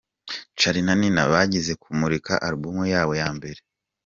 Charly na Nina bagiye kumurika album yabo ya mbere.